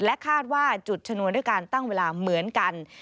คาดว่าจุดชนวนด้วยการตั้งเวลาเหมือนกัน